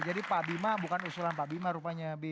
jadi pak bima bukan usulan pak bima rupanya